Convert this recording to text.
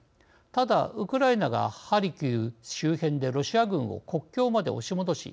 ただウクライナがハルキウ周辺でロシア軍を国境まで押し戻し